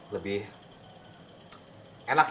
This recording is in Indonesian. lebih enak ya